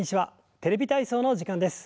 「テレビ体操」の時間です。